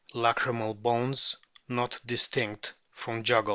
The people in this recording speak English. Lacrymal bones not distinct from jugal.